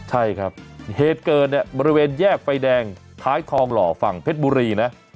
ใช่ครับเหตุเกิดเนี่ยบริเวณแยกไฟแดงท้ายทองหล่อฝั่งเพชรบุรีนะ